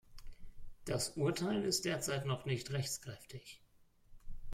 Das Urteil ist derzeit noch nicht rechtskräftig.